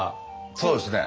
そうですね。